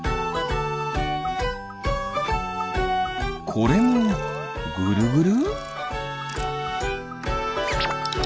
これもぐるぐる？